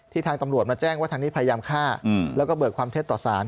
ทางตำรวจมาแจ้งว่าทางนี้พยายามฆ่าแล้วก็เบิกความเท็จต่อสาร